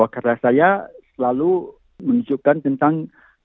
karena saya selalu menunjukkan tentang